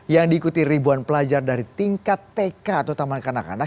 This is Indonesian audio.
yang diikuti ribuan pelajar dari tingkat tk atau taman kanak kanak